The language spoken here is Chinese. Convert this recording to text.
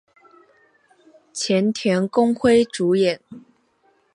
前田公辉主演。